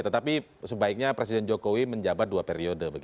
tetapi sebaiknya presiden jokowi menjabat dua periode